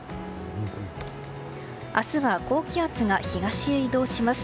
明日は高気圧が東へ移動します。